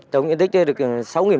tổng diện tích là được sáu m hai